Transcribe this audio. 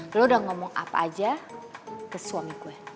lo udah ngomong apa aja ke suami gue